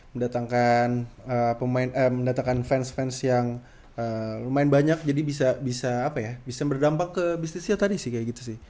mendatangkan fans fans yang lumayan banyak jadi bisa apa ya bisa berdampak ke bisnisnya tadi sih kayak gitu sih